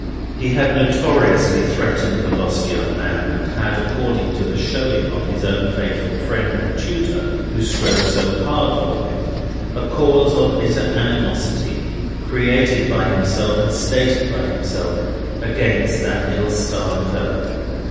He had notoriously threatened the lost young man, and had, according to the showing of his own faithful friend and tutor who strove so hard for him, a cause of bitter animosity (created by himself, and stated by himself), against that ill starred fellow.